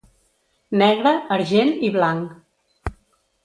Negre, argent i blanc.